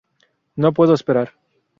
No puedo esperar.